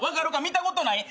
見たことない？